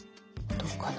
どうかな。